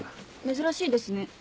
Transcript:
珍しいですね。